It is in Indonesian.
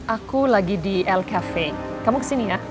aku lagi di l cafe kamu kesini ya